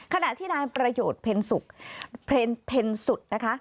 ขณะที่นายประโยชน์เพ็ญสุดนะคะ